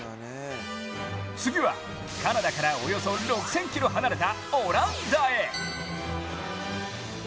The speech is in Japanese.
次はカナダからおよそ６０００ｋｍ離れたオランダへ。